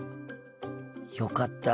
よかった。